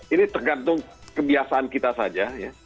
ini tergantung kebiasaan kita saja ya